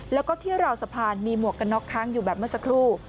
แล้วก็ที่ราวสะพานมีหมวกกันน็อกค้างอยู่แบบเมื่อสักครู่